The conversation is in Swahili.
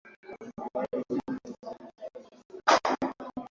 wanaloishi na hatua za kuchukua ili kujipunguzia hatari Kadhalika ni muhimu